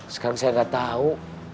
sekarang saya gak tau